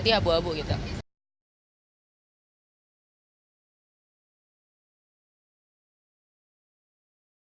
lada lada bagi hal yang ini yang mungkinedda kasih jump sorry nenek tiga